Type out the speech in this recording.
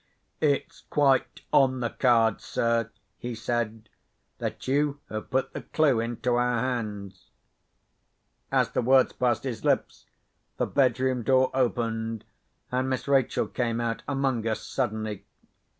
"It's quite on the cards, sir," he said, "that you have put the clue into our hands." As the words passed his lips, the bedroom door opened, and Miss Rachel came out among us suddenly.